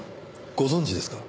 ご存じですか？